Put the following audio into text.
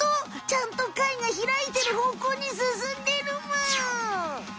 ちゃんと貝がひらいてる方向に進んでるむ。